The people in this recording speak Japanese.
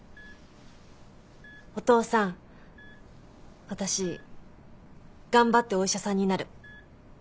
お父さん私頑張ってお医者さんになる。